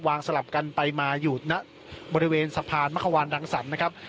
สลับกันไปมาอยู่ณบริเวณสะพานมะขวานรังสรรค์นะครับ